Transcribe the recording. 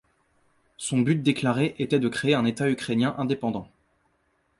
Son but déclaré était de créer un État ukrainien indépendant.